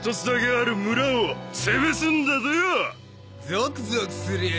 ゾクゾクするよ